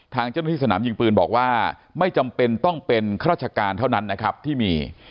ทางเจ้าหน้าที่สนามยิงปืนบอกว่าไม่จำเป็นต้องเป็นข้าราชการเท่านั้นนะครับที่มี